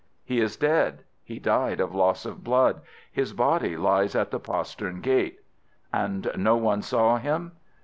"He is dead. He died of loss of blood. His body lies at the postern gate." "And no one saw him?"